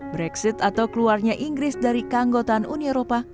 brexit atau keluarnya inggris dari keanggotaan uni eropa